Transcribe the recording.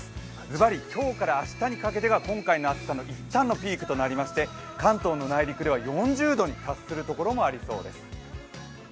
ズバリ今日から明日にかけてが今回の暑さのいったんのピークとなりまして関東の内陸では４０度に達する所もありそうです。